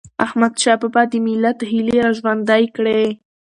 احمدشاه بابا د ملت هيلي را ژوندی کړي.